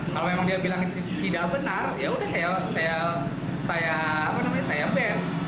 kalau memang dia bilang itu tidak besar ya udah saya bed